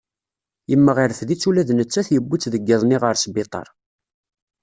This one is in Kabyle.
Yemmeɣ yerfed-itt ula d nettat yewwi-tt deg yiḍ-nni ɣer sbiṭar.